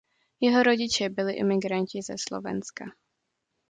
Jeho rodiče byli imigranti ze Slovenska.